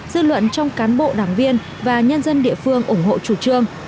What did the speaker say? dư luận trong cán bộ đảng viên và nhân dân địa phương ủng hộ chủ trương